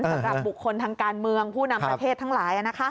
สำหรับบุคคลทางการเมืองผู้นำประเทศทั้งหลาย